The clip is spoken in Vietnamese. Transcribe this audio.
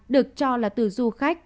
được cho là từ du khách